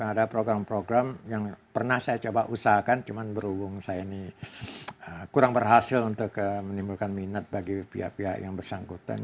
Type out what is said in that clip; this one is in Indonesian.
ada program program yang pernah saya coba usahakan cuma berhubung saya ini kurang berhasil untuk menimbulkan minat bagi pihak pihak yang bersangkutan